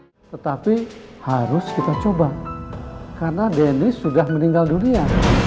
hai tetapi harus kita coba karena dennis sudah meninggal dunia